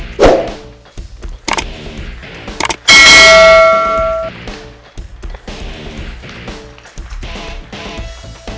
kok gak datosung dateng ya